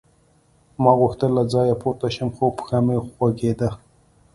ما غوښتل له ځایه پورته شم خو پښه مې خوږېده